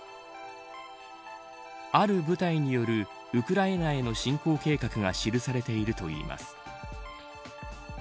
ある部隊によるウクライナへの侵攻計画が記されているといいます。